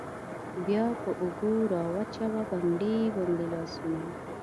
بیا په اوږو راوچوه بنګړي بنګړي لاسونه